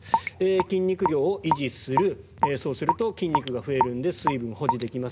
筋肉量を維持するそうすると筋肉が増えるので水分保持できます。